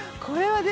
これ。